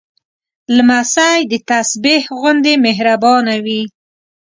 لمسی د تسبېح غوندې مهربانه وي.